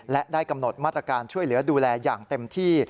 และได้กำหนดมาตรการช่วยเหลือดูแลอย่างเต็มที่